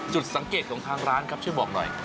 จุดสังเกตของทางร้านครับช่วยบอกหน่อย